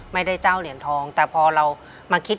ที่ผ่านมาที่มันถูกบอกว่าเป็นกีฬาพื้นบ้านเนี่ย